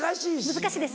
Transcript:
難しいです。